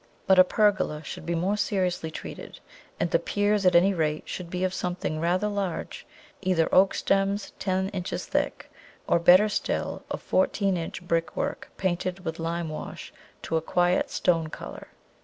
But a pergola should be more seriously treated, and the piers at any rate should be of something rather large either oak stems ten inches thick, or, better still, of fourteen inch brickwork painted with lime wash to a quiet stone colour.